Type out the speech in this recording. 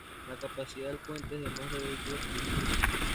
La capacidad del puente es de más de vehículos por día.